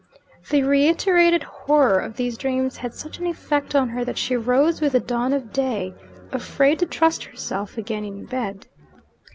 The reiterated horror of these dreams had such an effect on her that she rose with the dawn of day, afraid to trust herself again in bed.